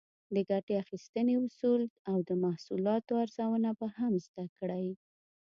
د ګټې اخیستنې اصول او د محصولاتو ارزونه به هم زده کړئ.